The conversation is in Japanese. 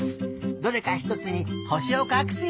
どれかひとつにほしをかくすよ！